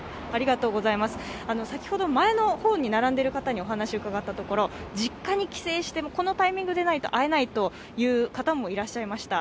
先ほど前の方に並んでいる方にお話を伺ったところ実家に帰省して、このタイミングでないと会えないという方もいらっしゃいました。